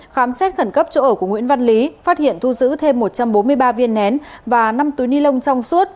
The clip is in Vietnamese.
khám xét khẩn cấp chỗ ở của nguyễn văn lý phát hiện thu giữ thêm một trăm bốn mươi ba viên nén và năm túi ni lông trong suốt